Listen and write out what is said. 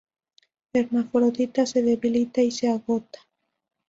Hermafrodita se debilita y se agota.